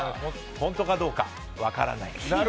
本当かどうか分からない。